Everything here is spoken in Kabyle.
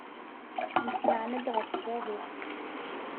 Nessemɛen-d ɣef berru.